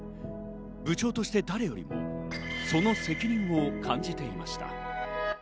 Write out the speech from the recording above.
部長として誰よりもその責任を感じていました。